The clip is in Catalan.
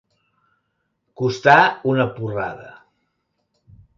Costar una porrada.